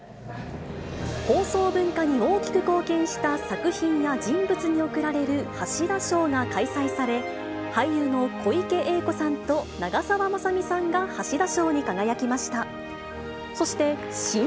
放送文化に大きく貢献した作品や人物に贈られる橋田賞が開催され、俳優の小池栄子さんと長澤まさみさんが橋田賞に輝きました。